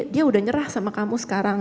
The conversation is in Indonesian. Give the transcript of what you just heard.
dia udah nyerah sama kamu sekarang